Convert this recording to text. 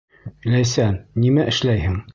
Ләйсән, нимә эшләйһең?